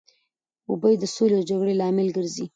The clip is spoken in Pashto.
اوبه د سولې او جګړې لامل ګرځي.